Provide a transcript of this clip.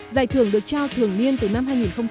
giải thưởng được trao thường niên từ năm hai nghìn một mươi